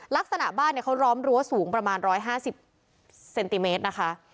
ลักษณะบ้านเขาล้อมรั้วสูงประมาณ๑๕๐เซนติเมตรนะคะ